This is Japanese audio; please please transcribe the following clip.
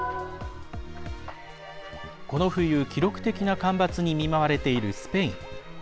この冬、記録的な干ばつに見舞われているスペイン。